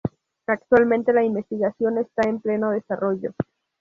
Actualmente la investigación está en pleno desarrollo.